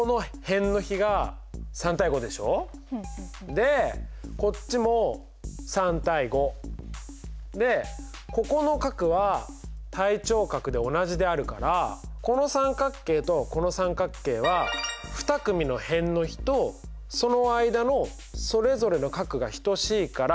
でこっちも３：５でここの角は対頂角で同じであるからこの三角形とこの三角形は２組の辺の比とその間のそれぞれの角が等しいから相似だ！